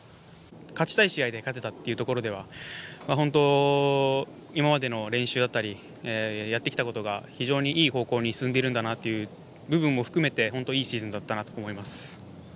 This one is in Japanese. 勝ちたい試合で勝てたというところでは本当、今までの練習だったりやってきたことが非常にいい方向に進んでいるんだなという部分も含めて本当、いいシーズンだったなと思います。